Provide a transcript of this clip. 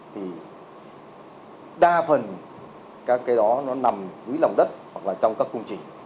thì đa phần các cái đó nó nằm dưới lòng đất hoặc là trong các cung chỉ